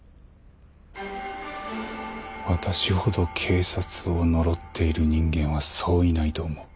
私ほど警察を呪っている人間はそういないと思う。